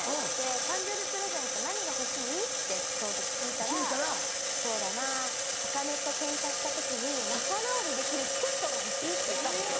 「誕生日プレゼント何が欲しい？」ってその時聞いたら「そうだなぁあかねとケンカした時に仲直りできるチケットが欲しい」って言ったんですよ。